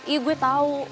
iya gue tau